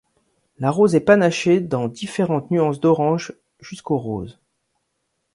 La rose est panachée dans différentes nuances d'orange jusqu'au rose.